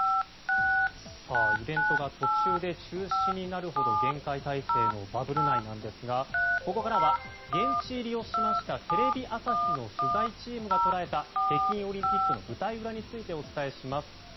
イベントが途中で中止になるほど厳戒態勢のバブル内なんですがここからは現地入りをしましたテレビ朝日の取材チームが捉えた北京オリンピックの舞台裏についてお伝えします。